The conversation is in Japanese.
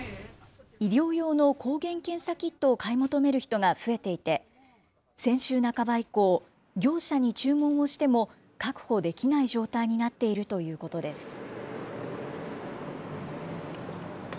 医療用の抗原検査キットを買い求める人が増えていて、先週半ば以降、業者に注文をしても、確保できない状態になっているということです。